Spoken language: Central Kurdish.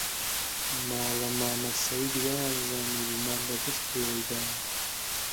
ماڵە مامە سەید وەیانزانیبوو مار لە دەشت پێوەی داوم